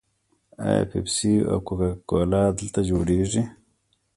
آیا پیپسي او کوکا کولا دلته جوړیږي؟